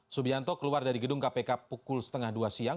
subianto keluar dari gedung kpk pukul setengah dua siang